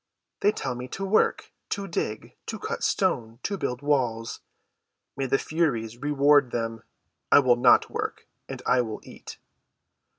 They tell me to work—to dig—to cut stone—to build walls. May the Furies reward them! I will not work, and I will eat."